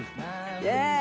イエーイ！